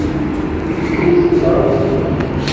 Yefka-as takeṛṛust-nni.